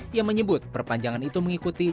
dia menyebut perpanjangan itu mengikuti